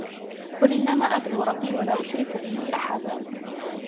قل إنما أدعو ربي ولا أشرك به أحدا